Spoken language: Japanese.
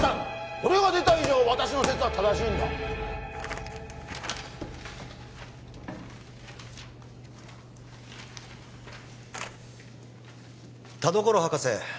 これが出た以上私の説は正しいんだ田所博士